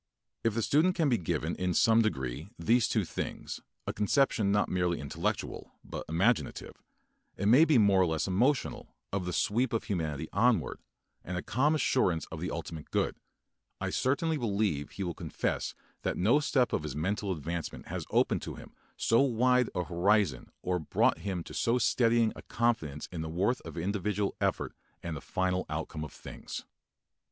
If the student can be given in some degree these two things, a conception not merely intellectual, but imaginative, it may be more or less emotional, of the sweep of humanity onward, and a calm assurance of the ultimate good, I certainly believe he will confess that no step of his mental advancement has opened to him so wide a horizon or brought him to so steadying a confidence in the worth of individual effort and the final outcome of things.